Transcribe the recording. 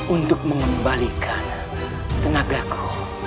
untuk mengembalikan tenagaku